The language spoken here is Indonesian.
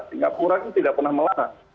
singapura itu tidak pernah melarang